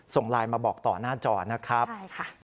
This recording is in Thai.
ส่งไลน์มาบอกต่อหน้าจอนะครับใช่ค่ะ